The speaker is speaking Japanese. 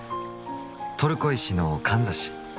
トルコ石のかんざし。